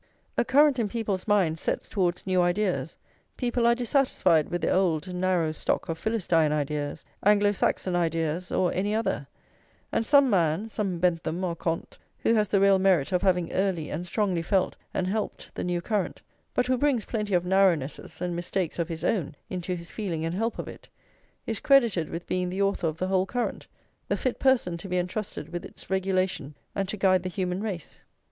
A current in people's minds sets towards new ideas; people are dissatisfied with their old narrow stock of Philistine ideas, Anglo Saxon ideas, or any other; and some man, some Bentham or Comte, who has the real merit of having early and strongly felt and helped the new current, but who brings plenty of narrownesses and mistakes of his own into his feeling and help of it, is credited with being the author of the whole current, the fit person to be entrusted with its regulation and to guide the human race.